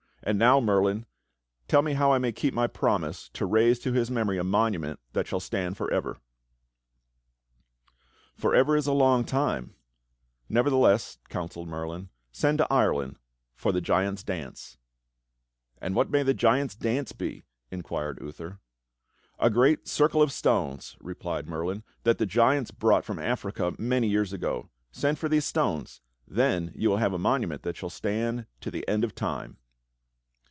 "And now, Merlin, tell me how I may keep my promise to raise to his mem ory a monument that shall stand forever." 14 THE STORY OF KING ARTHUR "Forever is a long time; nevertheless," counselled Merlin, "send to Ireland for the Giants' Dance." "And what may the Giants' Dance be.^" inquired Uther. "A great circle of stones," replied Merlin, "that the giants brought from Africa many years ago. Send for these stones, then you will have a monument that shall stand to the end of time."